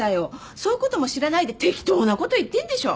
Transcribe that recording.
そういうことも知らないで適当なこと言ってんでしょ？